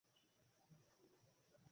এটাই হলো জীবন।